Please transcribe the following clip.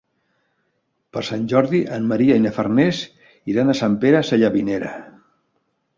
Per Sant Jordi en Maria i na Farners iran a Sant Pere Sallavinera.